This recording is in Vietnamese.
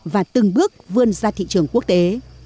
và từng bước vươn ra thị trường quốc tế